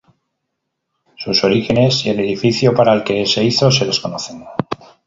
Sus orígenes y el edificio para el que se hizo se desconocen.